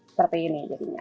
seperti ini jadinya